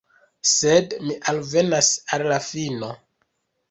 Sed mi alvenas al la fino.